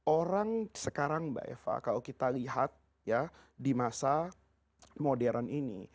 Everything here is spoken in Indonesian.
orang sekarang mbak eva kalau kita lihat ya di masa modern ini